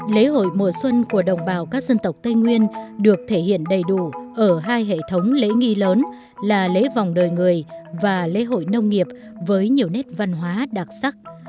lễ hội mùa xuân của đồng bào các dân tộc tây nguyên được thể hiện đầy đủ ở hai hệ thống lễ nghi lớn là lễ vòng đời người và lễ hội nông nghiệp với nhiều nét văn hóa đặc sắc